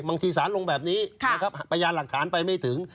บางทีสารลงแบบนี้นะครับพยานหลักฐานไปไม่ถึง